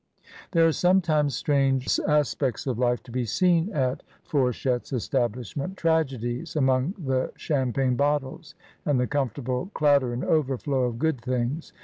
There are some times strange aspects of life to be seen at Four PRINCE Hassan's carpet. 189 diette's establishment, tragedies among the cham pagne bottles and the comfortable clatter and overflow of good things.